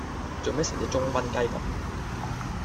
做咩成隻舂瘟雞咁